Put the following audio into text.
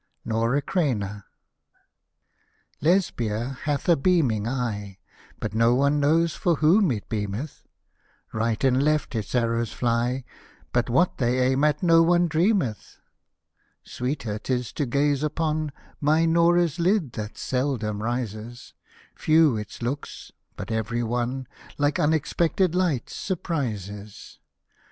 NORA CREINA Lesbia hath a beaming eye, But no one knows for whom it bieameth Right and left its arrows fly, But what they aim at no one dreameth. Sweeter 'tis to gaze upon My Nora's lid that seldom tises ; Hosted by Google NORA CREINA 23 Few its looks, but every one, Like unexpected light, surprises